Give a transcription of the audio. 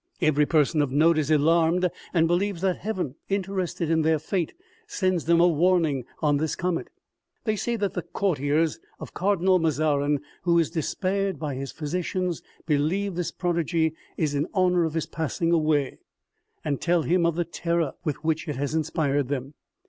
Hvery person of note is alarmed and believes that heaven, interested in their fate, sends them a warning" in this comet. They say that the courtiers of Cardinal Mazarin, who is despaired of by his physicians believe this prodigy is in honor of his passing away, and tell him of the terror with which it has inspired them.